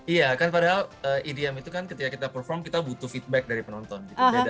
iya kan padahal edm itu kan ketika kita perform kita butuh feedback dari penonton gitu beda